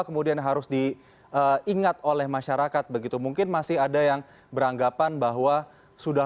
kemudian harus diingat oleh masyarakat begitu mungkin masih ada yang beranggapan bahwa sudah